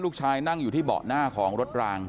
นั่งอยู่ที่เบาะหน้าของรถราง